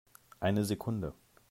Eine Sekunde!